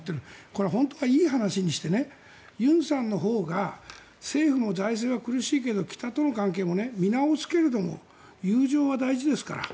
これは本当はいい話にして尹さんのほうが政府の財政は苦しいけど北との関係も見直すけれども友情は大事ですから。